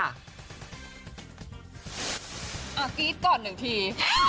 กรี๊ดก่อนหนึ่งที